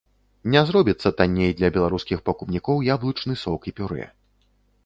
Не зробіцца танней для беларускіх пакупнікоў яблычны сок і пюрэ.